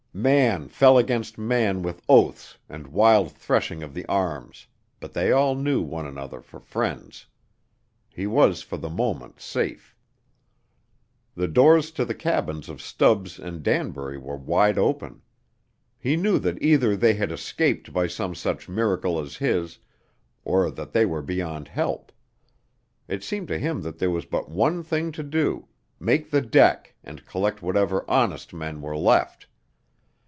Man fell against man with oaths and wild threshing of the arms, but they all knew one another for friends. He was for the moment safe. The doors to the cabins of Stubbs and Danbury were wide open. He knew that either they had escaped by some such miracle as his, or that they were beyond help. It seemed to him that there was but one thing to do, make the deck and collect whatever honest men were left.